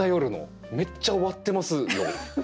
めっちゃ終わってますよ。